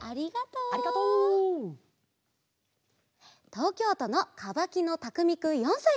とうきょうとのかばきのたくみくん４さいから。